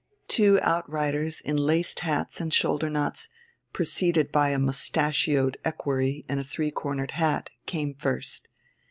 Two out riders in laced hats and shoulder knots, preceded by a moustachioed equerry in a three cornered hat, came first.